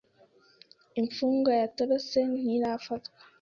Imfungwa yatorotse ntirafatwa.